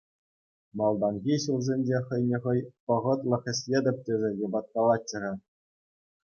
Малтанхи ҫулсенче хӑйне хӑй вӑхӑтлӑх ӗҫлетӗп тесе йӑпаткалатчӗ-ха.